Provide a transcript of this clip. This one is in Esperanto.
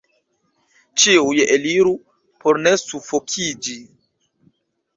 ĉiuj eliru, por ne sufokiĝi!